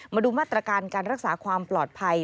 มาดูมาตรการการรักษาความปลอดภัย